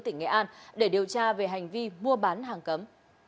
tỉnh nghệ an để điều tra về hành vi mua bán hàng cấm